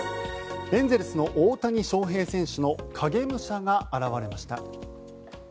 エンゼルスの大谷翔平選手の影武者が現れました。